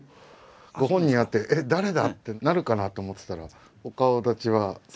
ご本人に会ってえっ誰だ？ってなるかなと思ってたらお顔だちはそのままなんですね。